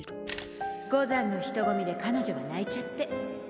五山の人込みで彼女が泣いちゃって